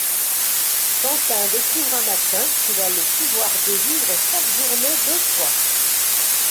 Quentin découvre un matin qu’il a le pouvoir de vivre chaque journée deux fois.